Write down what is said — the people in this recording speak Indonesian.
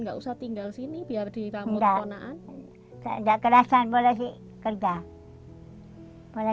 anda tidak tinggal di sini agar diramut ponaan